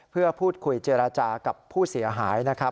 เพื่อพูดคุยเจรจากับผู้เสียหายนะครับ